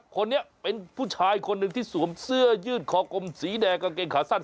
คนนี้เป็นผู้ชายคนหนึ่งที่สวมเสื้อยืดคอกลมสีแดงกางเกงขาสั้น